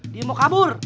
dia mau kabur